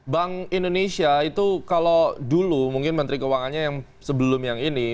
bank indonesia itu kalau dulu mungkin menteri keuangannya yang sebelum yang ini